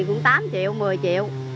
cũng tám triệu một mươi triệu